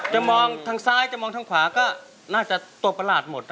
มองทางซ้ายจะมองทางขวาก็น่าจะตัวประหลาดหมด